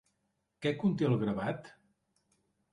Què conté el gravat?